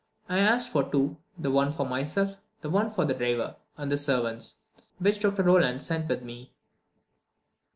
I asked for two; the one for myself, the other for the driver and the servants which Dr. Rolland sent with me.